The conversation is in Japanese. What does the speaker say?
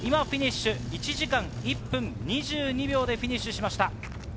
１時間１分２２秒でフィニッシュしました。